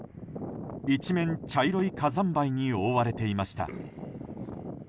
一面、茶色い火山灰に覆われていました。